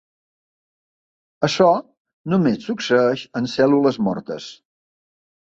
Això només succeeix en cèl·lules mortes.